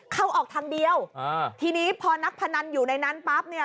เข้าออกทางเดียวอ่าทีนี้พอนักพนันอยู่ในนั้นปั๊บเนี่ย